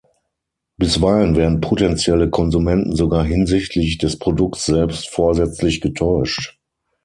Bisweilen werden potentielle Konsumenten sogar hinsichtlich des Produkts selbst vorsätzlich getäuscht.